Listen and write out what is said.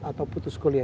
atau putus kuliah